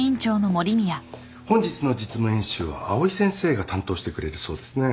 本日の実務演習は藍井先生が担当してくれるそうですね。